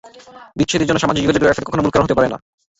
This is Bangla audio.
বিচ্ছেদের জন্য সামাজিক যোগাযোগের ওয়েবসাইট কখনো মূল কারণ হতে পারে না।